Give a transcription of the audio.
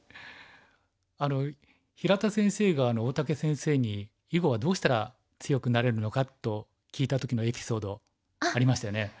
あの平田先生が大竹先生に「囲碁はどうしたら強くなれるのか？」と聞いた時のエピソードありましたよね。